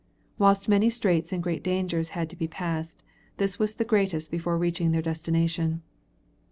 Whilst many straits and great dangers had to be passed, this was the greatest before reaching their destination.